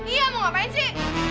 iya mau ngapain sih